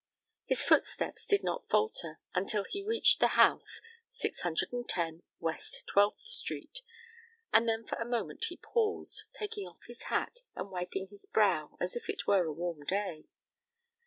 His footsteps did not falter until he reached the house, 610 West Twelfth Street, and then for a moment he paused, taking off his hat and wiping his brow as if it were a warm day.